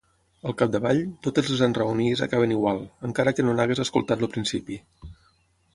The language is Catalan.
Al capdavall, totes les enraonies acaben igual, encara que no n'hagis escoltat el principi.